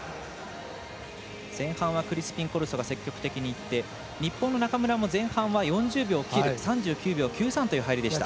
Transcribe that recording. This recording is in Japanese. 前半はクリスピンコルソが積極的にいって日本の中村も前半は４０秒を切る３９秒９３という入りでした。